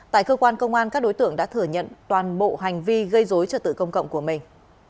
tại cơ quan công an các đối tượng đã thừa nhận toàn bộ hành vi gây dối trật tự công cộng của mình